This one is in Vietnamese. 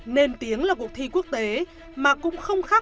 nên tiếng là cuộc thi quốc tế mà cũng không khác